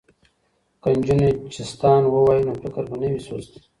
که نجونې چیستان ووايي نو فکر به نه وي سست.